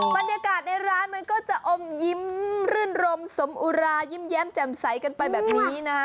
บรรยากาศในร้านมันก็จะอมยิ้มรื่นรมสมอุรายิ้มแย้มแจ่มใสกันไปแบบนี้นะคะ